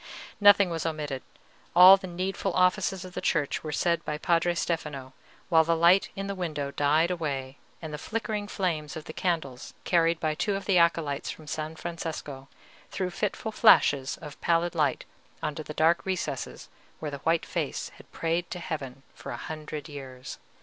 Nothing was omitted; all the needful offices of the Church were said by Padre Stefano, while the light in the window died away, and the flickering flames of the candles carried by two of the acolytes from San Francesco threw fitful flashes of pallid light into the dark recess where the white face had prayed to Heaven for a hundred years.